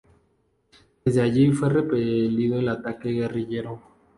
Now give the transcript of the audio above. Desde allí fue repelido el ataque guerrillero.